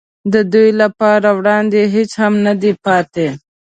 د ده لپاره وړاندې هېڅ هم نه دي پاتې.